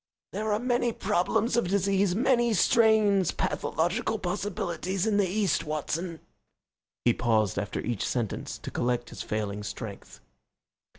"There are many problems of disease, many strange pathological possibilities, in the East, Watson." He paused after each sentence to collect his failing strength.